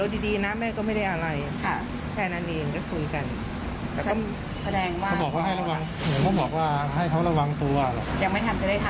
ยังไม่ทำจะได้ทานข้าวจริงแปลงให้